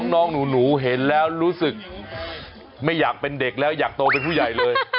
น้องหนูเห็นแล้วรู้สึกไม่อยากเป็นเด็กแล้วอยากโตเป็นผู้ใหญ่เลย